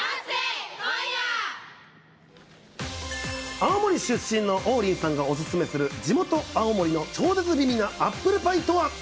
青森出身の王林さんがお勧めする地元、青森の超絶美味なアップルパイとは。